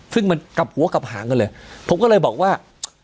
ซึ่งมันกลับหัวกลับหางกันเลยผมก็เลยบอกว่า